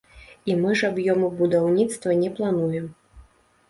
І мы ж аб'ёмы будаўніцтва не плануем.